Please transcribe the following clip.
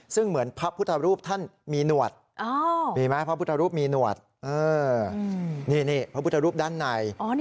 ซึ่งเหมือนพระพุทธรูปท่านมีหนวดมีไหมพระพุทธรูปมีหนวดนี่พระพุทธรูปด้านใน